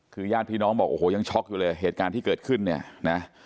คือญาติพี่น้องบอกโอ้โหยังช็อกอยู่เลยเหตุการณ์ที่เกิดขึ้นเนี่ยนะ